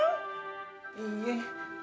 oh ini dong